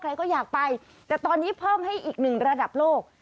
ใครก็อยากไปแต่ตอนนี้เพิ่มให้อีกหนึ่งระดับโลก